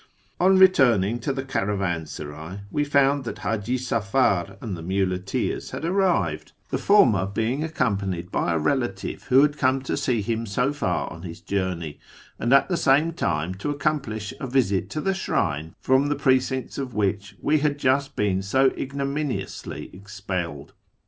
On returning to the caravansaray we found that Haji Safar and the muleteers had arrived, the former being accompanied by a relative who had come to see him so far on his journey, and at the same time to accomplish a visit to the shrine from the precincts of which we had just been so ignominiously FROM TEH ERA N TO ISFAHAn i6i expelled.